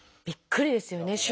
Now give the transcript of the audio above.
びっくりですよね。